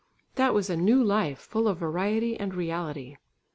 That was a new life full of variety and reality.